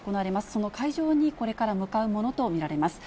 その会場にこれから向かうものと見られます。